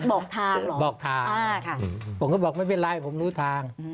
บอกทางเหรอบอกทางผมก็บอกไม่เป็นไรผมรู้ทาง